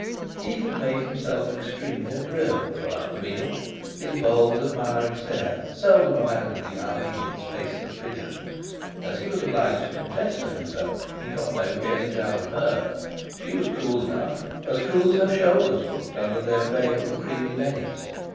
He had made himself extremely agreeable throughout the meal; his bold, admiring stare seldom abandoning Irene's face and figure. As he was obliged to confess to himself, he got no change out of her—she was cool enough, as cool as her shoulders looked under their veil of creamy lace.